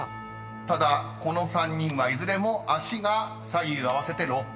［ただこの３人はいずれも脚が左右合わせて６本］